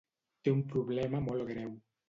Té un problema molt greu.